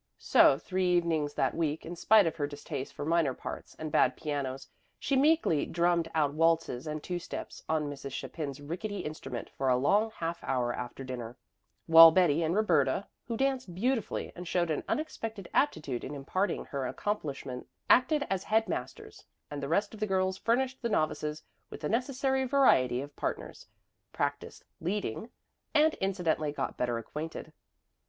So three evenings that week, in spite of her distaste for minor parts and bad pianos, she meekly drummed out waltzes and two steps on Mrs. Chapin's rickety instrument for a long half hour after dinner, while Betty and Roberta who danced beautifully and showed an unexpected aptitude in imparting her accomplishment acted as head masters, and the rest of the girls furnished the novices with the necessary variety of partners, practiced "leading," and incidentally got better acquainted.